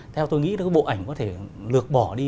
theo tôi nghĩ là cái bộ ảnh có thể lược bỏ đi